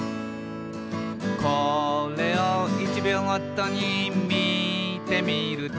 「これを１秒ごとにみてみると」